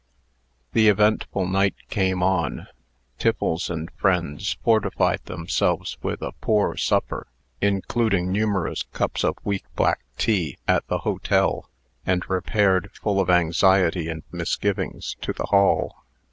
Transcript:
The eventful night came on. Tiffles and friends fortified themselves with a poor supper, including numerous cups of weak black tea, at the hotel, and repaired, full of anxiety and misgivings, to the hall.